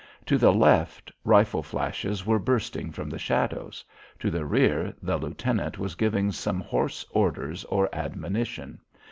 To the left, rifle flashes were bursting from the shadows. To the rear, the lieutenant was giving some hoarse order or admonition.